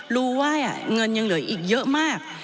รู้ว่าเงินยังเหลืออีกเยอะมาก